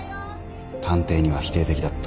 探偵には否定的だった